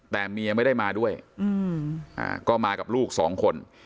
แต่เมียไม่ได้มาด้วยก็มากับลูกสองคน